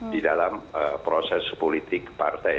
di dalam proses politik partai